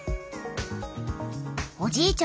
おじいちゃん